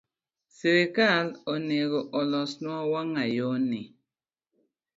Sirkal nego olosnwa wangayo ni